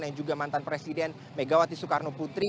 yang juga mantan presiden megawati soekarno putri